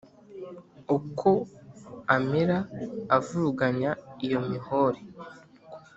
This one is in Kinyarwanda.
Ukwo amira avuruganya iyo mihore"